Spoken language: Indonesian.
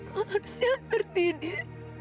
lo harusnya ngerti dir